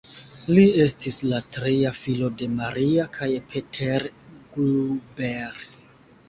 Li estis la tria filo de Maria kaj Peter Gruber.